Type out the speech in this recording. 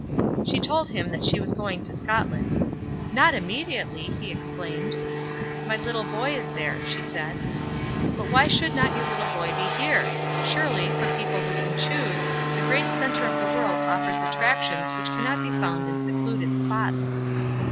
She told him that she was going to Scotland. "Not immediately!" he exclaimed. "My little boy is there," she said. "But why should not your little boy be here? Surely, for people who can choose, the great centre of the world offers attractions which cannot be found in secluded spots."